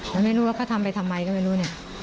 แล้วไม่รู้ว่าเขาทำไปทำไมก็ไม่รู้